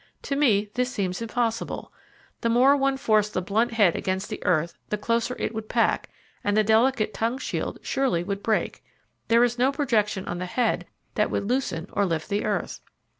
To me this seems impossible. The more one forced the blunt head against the earth the closer it would pack, and the delicate tongue shield surely would break. There is no projection on the head that would loosen or lift the earth.